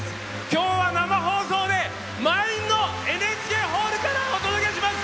今日は生放送で満員のＮＨＫホールからお届けします！